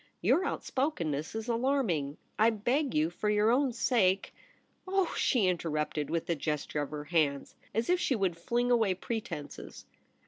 Your outspokenness is alarming. I beg you for your own sake '' Oh !' she interrupted, with a gesture of her hands as if she would fling away pretences.